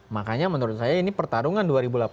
makanya menurut saya ini pertarungan dua ribu delapan belas